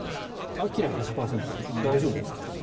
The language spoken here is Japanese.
アキラ１００％さん大丈夫ですか？